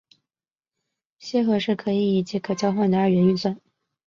楔和是可结合及可交换的二元运算。